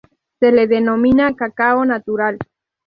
Se le denomina cacao natural.